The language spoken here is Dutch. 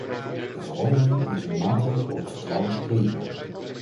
De verordening is een maatregel om vertrouwen te creëren.